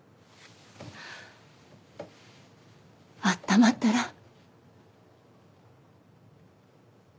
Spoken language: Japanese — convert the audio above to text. あったまったら？